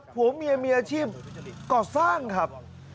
ผัวเมียมีอาชีพก่อสร้างครับ